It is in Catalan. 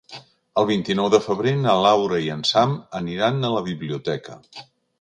El vint-i-nou de febrer na Laura i en Sam aniran a la biblioteca.